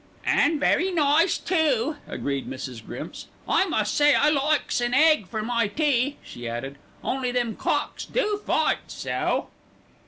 "An' very nice too," agreed Mrs. Grimps; "I must say I likes an egg for my tea," she added, "only them cocks do fight so."